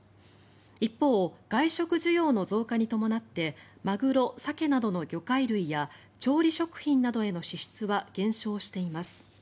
一方、外食需要の増加に伴ってマグロ、サケなどの魚介類や調理食品などへの支出は減少しています。